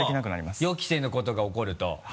自分の予期せぬことが起こると。